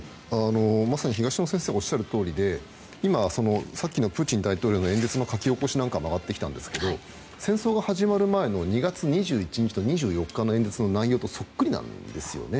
まさに東野先生おっしゃるとおりで今、さっきのプーチン大統領の演説の書き起こしが回ってきたんですけど戦争が始まる前の２月２１日と２４日の演説と内容がそっくりなんですよね。